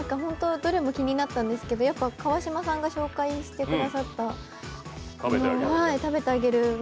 どれも気になったんですけど、川島さんが紹介してくださった「たべてあげる」